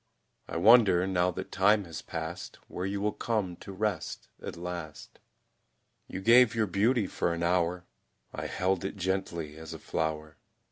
I wonder, now that time has passed, Where you will come to rest at last. You gave your beauty for an hour, I held it gently as a flower.